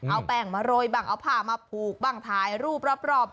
เอาแป้งมาโรยบ้างเอาผ้ามาผูกบ้างถ่ายรูปรอบ